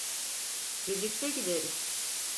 Birlikte gideriz.